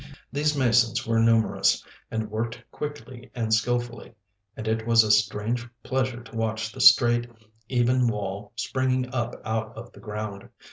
These masons were numerous, and worked quickly and skilfully; and it was a strange pleasure to watch the straight, even wall springing up out of the ground.